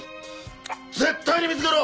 絶対に見つけろ！